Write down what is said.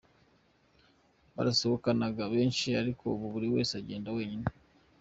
Barasohokanaga kenshi ariko ubu buri wese agenda wenyine.